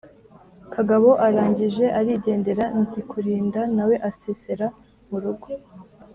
kagabo Arangije arigendera Nzikurinda na we asesera mu rugo